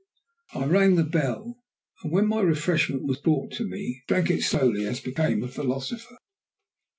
I rang the bell, and, when my refreshment was brought to me, drank it slowly, as became a philosopher.